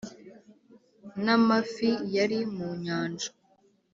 n’amafi yari mu nyanja.